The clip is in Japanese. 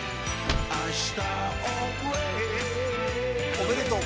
おめでとう。